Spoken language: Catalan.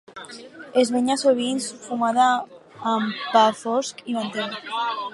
Es menja sovint fumada amb pa fosc i mantega.